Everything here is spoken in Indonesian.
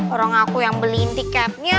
orang aku yang beliin tiketnya